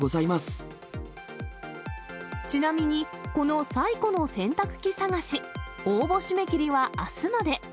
ちなみに、この最古の洗濯機探し、応募締め切りはあすまで。